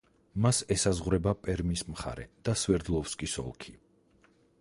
მას ესაზღვრება პერმის მხარე და სვერდლოვსკის ოლქი.